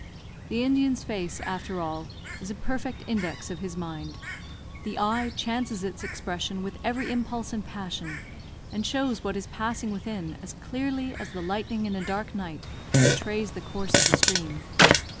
The Indian's face, after all, is a perfect index of his mind. The eye changes its expression with every impulse and passion, and shows what is passing within as clearly as the lightning in a dark night betrays the course of the stream.